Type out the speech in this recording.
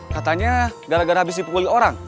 katanya gara gara habis dipukuli orang